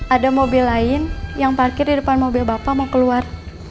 ada mobil lain yang parkir di depan mobil bapak mau keluar